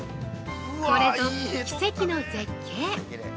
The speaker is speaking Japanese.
◆これぞ奇跡の絶景！